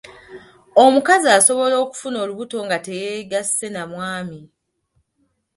Omukazi asobola okufuna olubuto nga teyegasse na mwami.